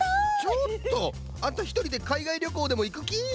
ちょっとあんたひとりでかいがいりょこうでもいくき？